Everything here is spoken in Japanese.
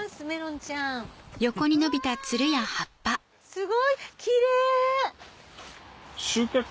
すごいキレイ！